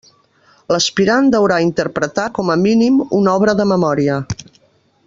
L'aspirant deurà interpretar, com a mínim, una obra de memòria.